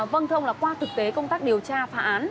vâng thông là qua thực tế công tác điều tra phá án